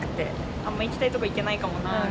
あんま行きたい所行けないか